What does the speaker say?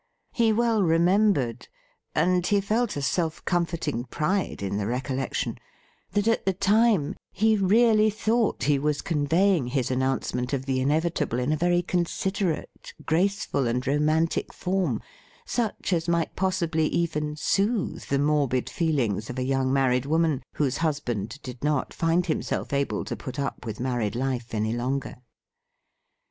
He well remembered — and he felt a self comforting pride in the recollection — ^that at the time he really thought he was conveying his announcement of the inevitable in a very considerate, graceful, and romantic form, such as might possibly even soothe the morbid feelings of a young married woman whose husband did not find him self able to put up with married life any longer.